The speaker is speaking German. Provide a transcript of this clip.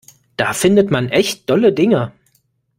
Da findet man echt dolle Dinger.